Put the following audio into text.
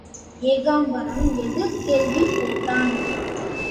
ஏகாம்பரம் எதிர்க் கேள்வி போட்டான்.